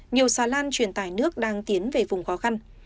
nhiều xà lan truyền tải nước đang tiến về vùng khó khăn